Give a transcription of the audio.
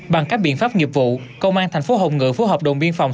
bằng các biện pháp nghiệp vụ công an thành phố hồng ngự phố hợp đồng biên phòng